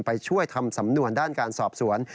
ไปช่วยทำสำนวนด้านการสอบสวน